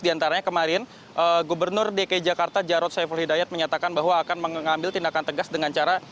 di antaranya kemarin gubernur dki jakarta jarod saiful hidayat menyatakan bahwa akan mengambil tindakan tegas dengan cara